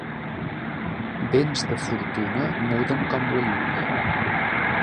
Béns de fortuna muden com la lluna.